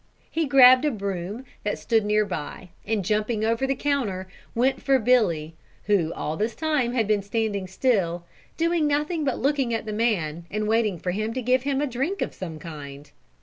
He grabbed a broom that stood near by and jumping over the counter went for Billy, who all this time had been standing still, doing nothing but looking at the man and waiting for him to give him a drink of some kind.